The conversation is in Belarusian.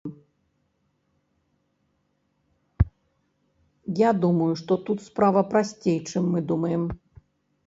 Я думаю, што тут справа прасцей чым мы думаем.